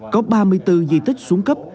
có ba mươi bốn di tích xuống cấp